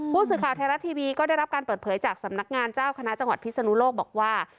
ผู้สื่อข่าวไทยรัฐทีวีก็ได้รับการเปิดเผยจากสำนักงานเจ้าคณะจังหวัดพิศนุโลกบอกว่า